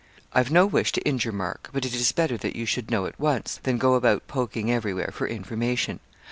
'I've no wish to injure Mark; but it is better that you should know at once, than go about poking everywhere for information.'